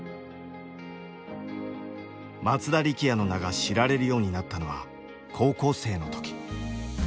松田力也の名が知られるようになったのは高校生の時。